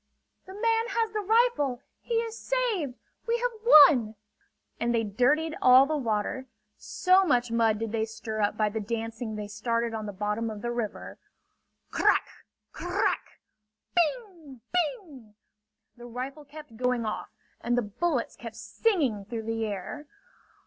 "The man has the rifle! He is saved! We have won!" And they dirtied all the water, so much mud did they stir up by the dancing they started on the bottom of the river. C r r r ack! C r r ack! Bing g g! Bing g g! The rifle kept going off and the bullets kept singing through the air.